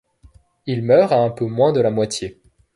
Il meurt à un peu moins de la moitié.